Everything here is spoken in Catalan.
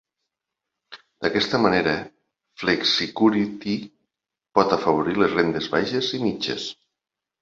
D"aquesta manera, Flexicurity pot afavorir les rentes baixes i mitges.